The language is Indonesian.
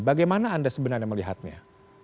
bagaimana anda sebenarnya melihatnya